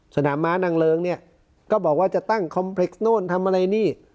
สนามม้านางเริงเนี่ยก็บอกว่าจะตั้งคอมเพล็กซโน่นทำอะไรนี่